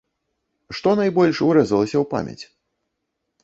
Што найбольш урэзалася ў памяць?